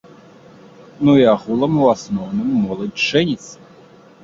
Ну і агулам у асноўным моладзь жэніцца.